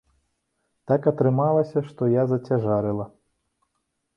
Так атрымалася, што я зацяжарыла.